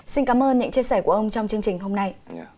xin cảm ơn những chia sẻ của ông trong chương trình hôm nay